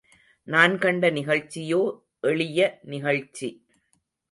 நான் கண்ட நிகழ்ச்சியோ, எளிய நிகழ்ச்சி.